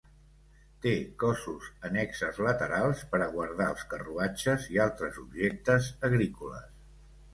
Té cossos annexes laterals per a guardar els carruatges i altres objectes agrícoles.